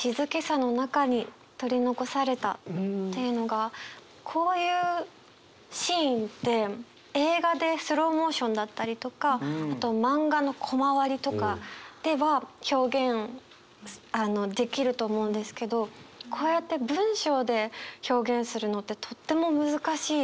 というのがこういうシーンで映画でスローモーションだったりとかあと漫画のコマ割りとかでは表現できると思うんですけどこうやって文章で表現するのってとても難しいことだなと思って。